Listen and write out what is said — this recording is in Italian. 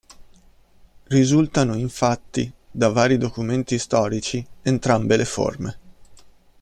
Risultano infatti, da vari documenti storici, entrambe le forme.